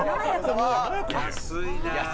安いなあ。